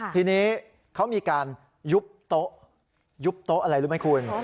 ทีนี้เขามีการยุบโต๊ะยุบโต๊ะอะไรรู้ไหมคุณ